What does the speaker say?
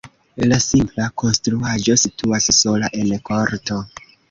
La simpla konstruaĵo situas sola en korto.